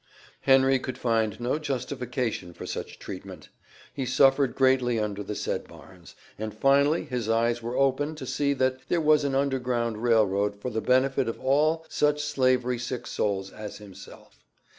Henry could find no justification for such treatment. He suffered greatly under the said Barnes, and finally his eyes were open to see that there was an Underground Rail Road for the benefit of all such slavery sick souls as himself.